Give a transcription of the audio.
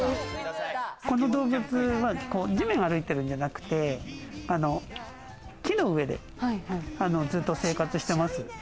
この動物は地面を歩いているんじゃなくて、木の上でずっと生活しています。